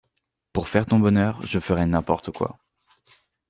Pour faire ton bonheur, je ferais n’importe quoi.